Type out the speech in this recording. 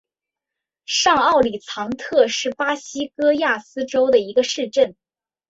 上奥里藏特是巴西戈亚斯州的一个市镇。